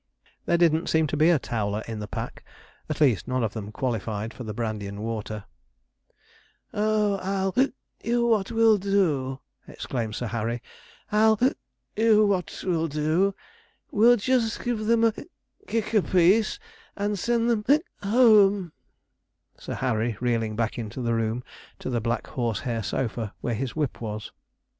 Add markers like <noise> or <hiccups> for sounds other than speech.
There didn't seem to be a Towler in the pack; at least, none of them qualified for the brandy and water. 'Oh, I'll <hiccups> you what we'll do,' exclaimed Sir Harry: 'I'll <hiccups> you what we'll do. 'We'll just give them a <hiccups> kick a piece and send them (hiccuping) home,' Sir Harry reeling back into the room to the black horse hair sofa, where his whip was.